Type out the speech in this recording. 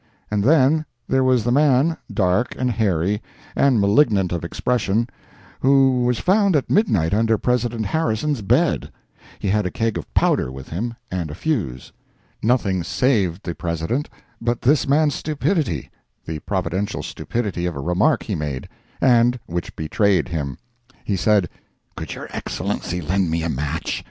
And then, there was the man—dark, and hairy, and malignant of expression—who was found at midnight under President Harrison's bed. He had a keg of powder with him, and a fuse. Nothing saved the President but this man's stupidity—the providential stupidity of a remark he made, and which betrayed him. He said: "Could your Excellency lend me a match?